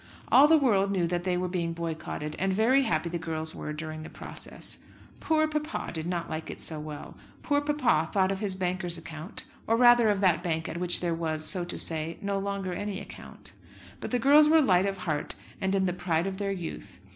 All the world knew that they were being boycotted, and very happy the girls were during the process. "Poor papa" did not like it so well. Poor papa thought of his banker's account, or rather of that bank at which there was, so to say, no longer any account. But the girls were light of heart, and in the pride of their youth.